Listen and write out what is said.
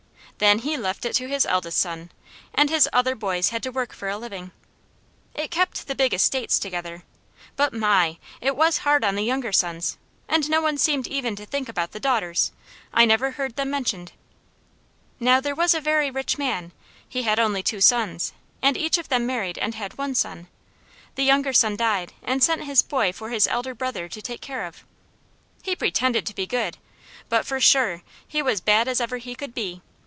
Then he left it to his eldest son, and his other boys had to work for a living. It kept the big estates together; but my! it was hard on the younger sons, and no one seemed even to think about the daughters. I never heard them mentioned. Now there was a very rich man; he had only two sons, and each of them married, and had one son. The younger son died, and sent his boy for his elder brother to take care of. He pretended to be good, but for sure, he was bad as ever he could be.